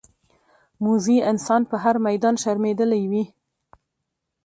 موزي انسان په هر میدان شرمېدلی وي.